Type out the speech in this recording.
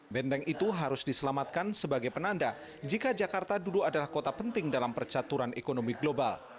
benteng itu harus diselamatkan sebagai penanda jika jakarta dulu adalah kota penting dalam percaturan ekonomi global